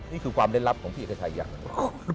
นี่คือความเล่นลับของพี่เอกในถ่ายอย่างนั้น